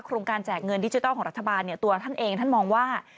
โครงการแจกเงินดิจิทัลของรัฐบาลเนี่ยตัวท่านเองท่านมองว่า